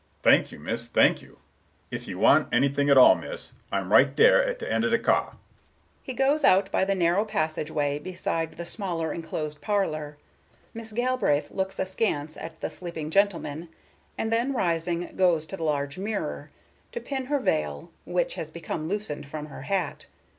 Porter: "Thank you, miss, thank you. If you want anything at all, miss, I'm right dere at de end of de cah." He goes out by the narrow passage way beside the smaller enclosed parlor. Miss Galbraith looks askance at the sleeping gentleman, and then, rising, goes to the large mirror, to pin her veil, which has become loosened from her hat.